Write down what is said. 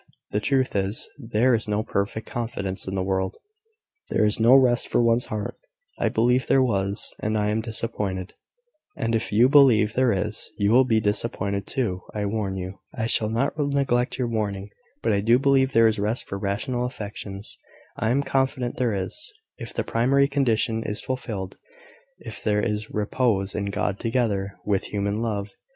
The truth is, there is no perfect confidence in the world: there is no rest for one's heart. I believed there was, and I am disappointed: and if you believe there is, you will be disappointed too, I warn you." "I shall not neglect your warning; but I do believe there is rest for rational affections I am confident there is, if the primary condition is fulfilled if there is repose in God together with human love."